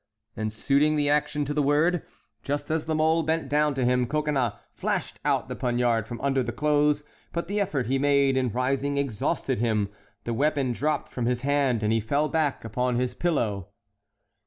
And suiting the action to the word, just as La Mole bent down to him, Coconnas flashed out the poniard from under the clothes; but the effort he made in rising exhausted him, the weapon dropped from his hand, and he fell back upon his pillow.